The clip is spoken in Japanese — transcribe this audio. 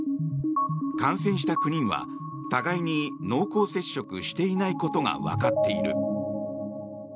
感染した９人は互いに濃厚接触していないことがわかっている。